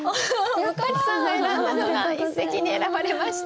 向井地さんが選んだのが一席に選ばれました。